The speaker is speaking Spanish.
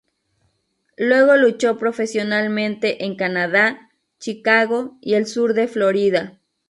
Luego luchó profesionalmente en Canadá, Chicago y el sur de Florida.